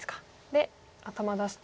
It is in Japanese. で頭出して。